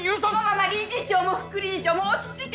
まあまあ理事長も副理事長も落ち着いて！